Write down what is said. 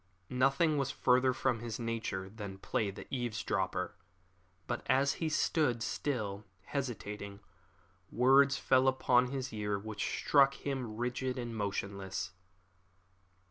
Nothing was further from his nature than play the eavesdropper; but as he stood, still hesitating, words fell upon his ear which struck him rigid and motionless.